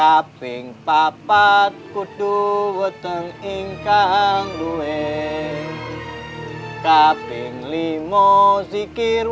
obat hati itu ada lima perkara